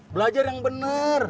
belajar yang benar